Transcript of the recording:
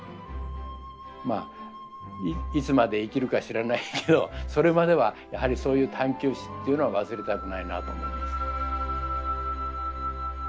まあいつまで生きるか知らないけどそれまではやはりそういう探求心っていうのは忘れたくないなと思います。